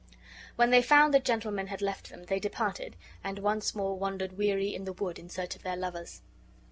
When they found the gentlemen had left them, they departed, and once more wandered weary in the wood in search of their lovers.